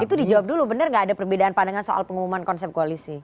itu dijawab dulu benar nggak ada perbedaan pandangan soal pengumuman konsep koalisi